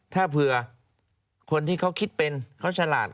ถ้าเผื่อคนที่เขาคิดเป็นเขาฉลาด